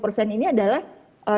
di mana kita bisa masuk